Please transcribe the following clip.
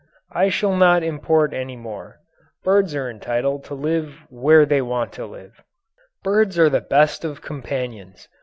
I shall not import any more. Birds are entitled to live where they want to live. Birds are the best of companions.